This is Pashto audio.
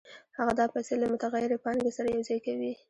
هغه دا پیسې له متغیرې پانګې سره یوځای کوي